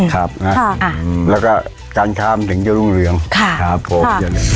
ครับครับแล้วก็การค้ามันถึงอย่างรุ่นเรืองครับ